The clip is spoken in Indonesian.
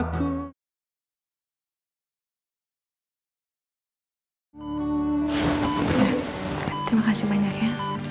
terima kasih banyak ya